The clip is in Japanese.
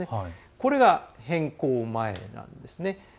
これが、変更前なんですね。